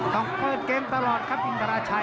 ต้องเปิดเกมตลอดครับอินทราชัย